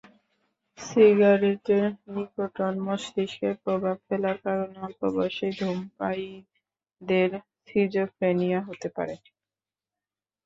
সিগারেটের নিকোটিন মস্তিষ্কে প্রভাব ফেলার কারণে অল্প বয়সেই ধুমপায়ীদের সিজোফ্রেনিয়া হতে পারে।